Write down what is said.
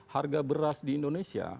harga beras di indonesia